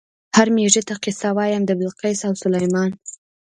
"هر مېږي ته قصه وایم د بلقیس او سلیمان".